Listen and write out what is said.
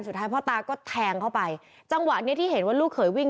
สุดท้ายพ่อตาก็แทงเข้าไปจังหวะเนี้ยที่เห็นว่าลูกเขยวิ่ง